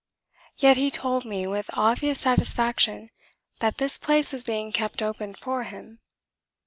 Yet he told me, with obvious satisfaction, that his place was being kept open for him.